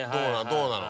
どうなの？